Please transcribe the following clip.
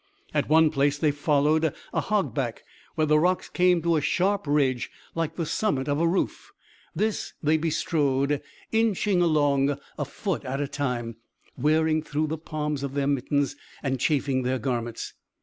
At one place they followed a hog back, where the rocks came to a sharp ridge like the summit of a roof, this they bestrode, inching along a foot at a time, wearing through the palms of their mittens and chafing their garments.